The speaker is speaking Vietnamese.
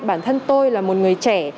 bản thân tôi là một người trẻ